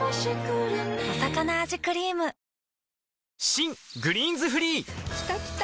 新「グリーンズフリー」きたきた！